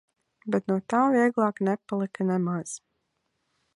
Bet no tā vieglāk nepalika nemaz.